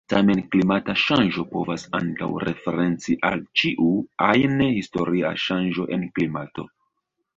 Tamen klimata ŝanĝo povas ankaŭ referenci al ĉiu ajn historia ŝanĝo en klimato.